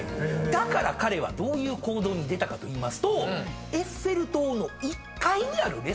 だから彼はどういう行動に出たかといいますと。